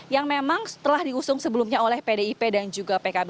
yang memang setelah diusung sebelumnya oleh pdip dan juga pkb